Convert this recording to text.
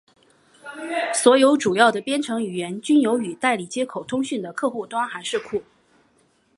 所有主要的编程语言均有与代理接口通讯的客户端函式库。